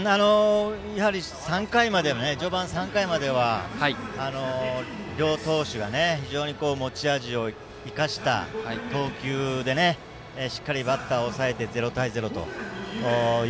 やはり序盤３回までは両投手が非常に持ち味を生かした投球でしっかりバッターを抑えて０対０と。